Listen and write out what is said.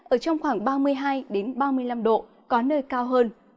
ở trong khoảng ba mươi hai ba mươi năm độ có nơi cao hơn